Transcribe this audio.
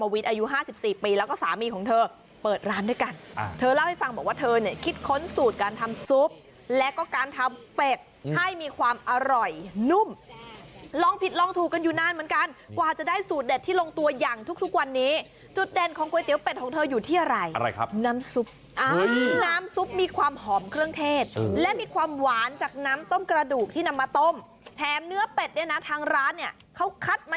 ว่าเธอเนี่ยคิดค้นสูตรการทำซุปแล้วก็การทำเป็ดให้มีความอร่อยนุ่มลองผิดลองถูกกันอยู่นานเหมือนกันกว่าจะได้สูตรเด็ดที่ลงตัวยังทุกทุกวันนี้จุดเด่นของก๋วยเตี๋ยวเป็ดของเธออยู่ที่อะไรอะไรครับน้ำซุปอ้าวน้ำซุปมีความหอมเครื่องเทศและมีความหวานจากน้ำต้มกระดูกที่นำมาต้ม